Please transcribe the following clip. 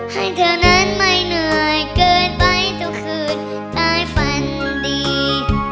ให้เธอนั้นไม่เหนื่อยเกินไปทุกคืนตายฝันดี